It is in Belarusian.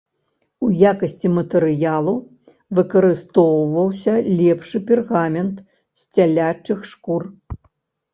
У якасці матэрыялу выкарыстоўваўся лепшы пергамент з цялячых шкур.